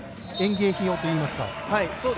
園芸用といいますか。